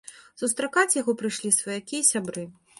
Сустракаць яго прыйшлі сваякі і сябры.